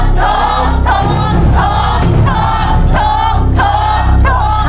โทษฐัพธัพธัพธัพ